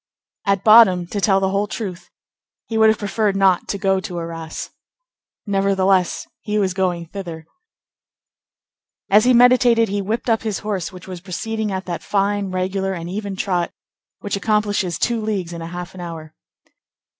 At bottom, to tell the whole truth, he would have preferred not to go to Arras. Nevertheless, he was going thither. As he meditated, he whipped up his horse, which was proceeding at that fine, regular, and even trot which accomplishes two leagues and a half an hour.